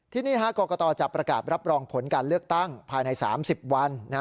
ที่นี่กรกตจะประกาศรับรองผลการเลือกตั้งภายใน๓๐วัน